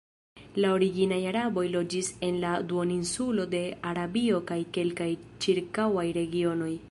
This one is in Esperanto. La originaj araboj loĝis en la duoninsulo de Arabio kaj kelkaj ĉirkaŭaj regionoj.